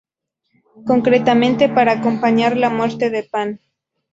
Concretamente, para acompañar la muerte de Pan.